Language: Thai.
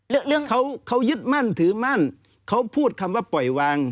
เรื่องเรื่องเขาเขายึดมั่นถือมั่นเขาพูดคำว่าปล่อยวาง